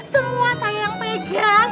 semua saya yang pegang